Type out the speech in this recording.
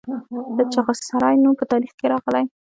د چغسرای نوم په تاریخ کې راغلی